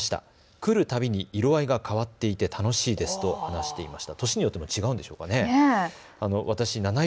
来るたびに色合いが変わっていて楽しいですと話していました。